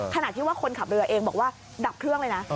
ขณะที่ว่าคนขับเรือเองบอกว่าดับเครื่องเลยนะ